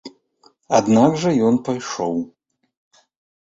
Аднак жа ён пайшоў.